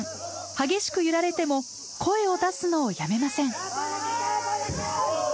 激しく揺られても声を出すのをやめません。